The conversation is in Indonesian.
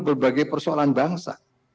berbagai persoalan bangsa